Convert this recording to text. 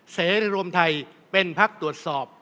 เสรีรวมไทยเป็นพักตรวจสอบ